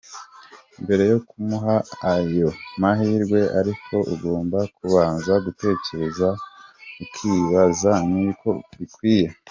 Mbere yo kumuha ayo mahirwe ariko ugomba kubanza gutekereza ukibaza niba koko bikwiye.